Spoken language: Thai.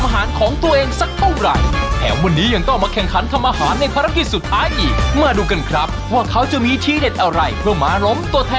โหแล้วเราจะไปสู้อะไรเขาได้ละคะ